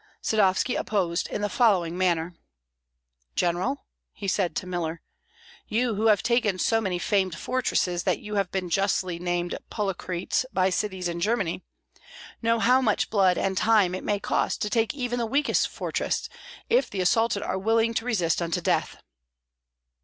Sadovski opposed in the following manner: "General," said he to Miller, "you who have taken so many famed fortresses that you have been justly named Poliorcetes by cities in Germany, know how much blood and time it may cost to take even the weakest fortress, if the assaulted are willing to resist unto death.